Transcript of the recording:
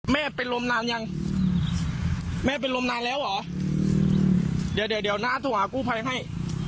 แม่เป็นลมนานยังแม่เป็นลมนานแล้วเหรอเดี๋ยวหน้าถ่วงกูภัยให้